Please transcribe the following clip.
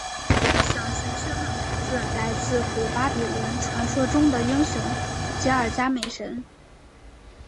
小行星的名字来自古巴比伦传说中的英雄吉尔伽美什。